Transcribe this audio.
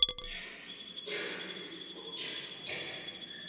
Je atraktivní v době květu a během vegetace tvoří kompaktní keře.